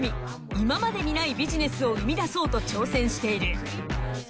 今までにないビジネスを生み出そうと挑戦している。